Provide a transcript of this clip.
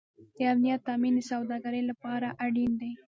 د امنیت تامین د سوداګرۍ لپاره اړین دی